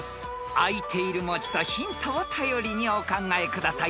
［あいている文字とヒントを頼りにお考えください］